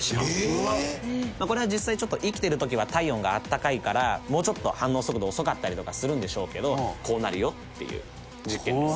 「これは実際ちょっと生きてる時は体温が温かいからもうちょっと反応速度遅かったりとかするんでしょうけどこうなるよっていう実験です」